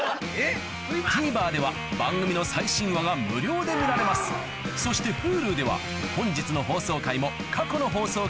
ＴＶｅｒでは番組の最新話が無料で見られますそしてＨｕｌｕでは本日の放送回も過去の放送回もいつでもどこでも見られます